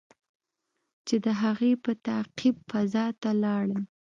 چې د هغې په تعقیب فضا ته لاړل.